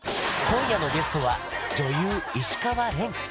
今夜のゲストは女優石川恋